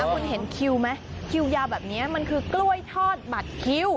คุณเห็นคิวไหมคิวยาวแบบนี้มันคือกล้วยทอดบัตรคิว